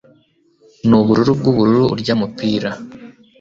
nubururu bwubururu urya mupira